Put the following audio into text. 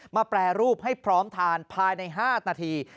แปรรูปให้พร้อมทานภายใน๕นาที